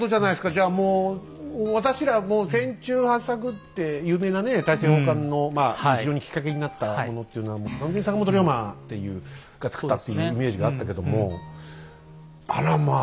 じゃあもう私らもう船中八策って有名なね大政奉還の非常にきっかけになったものっていうのはもう完全に坂本龍馬っていうが作ったっていうイメージがあったけどもあらまあ。